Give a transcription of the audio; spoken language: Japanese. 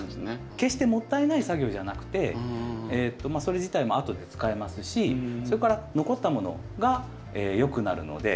決してもったいない作業じゃなくてそれ自体も後で使えますしそれから残ったものがよくなるので。